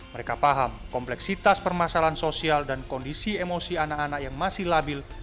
mereka paham kompleksitas permasalahan sosial dan kondisi emosi anak anak yang masih labil